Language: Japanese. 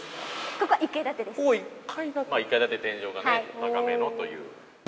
建て天井が高めのという。